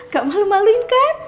gak malu maluin kan